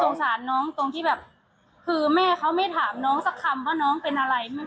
สงสารน้องตรงที่แบบคือแม่เขาไม่ถามน้องสักคำว่าน้องเป็นอะไร